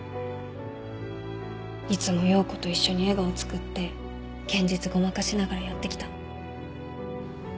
いつも葉子と一緒に笑顔つくって現実ごまかしながらやってきたの